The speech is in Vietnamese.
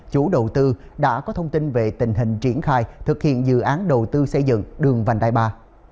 chủ đầu tư đã có thông tin về tình hình triển khai thực hiện dự án đầu tư xây dựng đường vành đai ba